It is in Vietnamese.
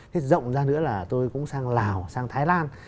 thế rộng ra nữa là tôi cũng sang lào sang thái lan